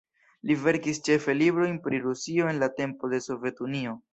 Li verkis ĉefe librojn pri Rusio en la tempo de Sovetunio.